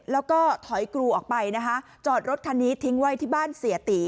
แล้วก็ถอยกรูออกไปนะคะจอดรถคันนี้ทิ้งไว้ที่บ้านเสียตี